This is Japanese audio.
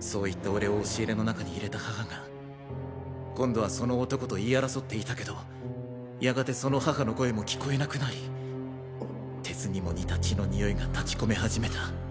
そう言って俺を押し入れの中にいれた母が今度はその男と言い争っていたけどやがてその母の声も聞こえなくなり鉄にも似た血のにおいが立ち込めはじめた。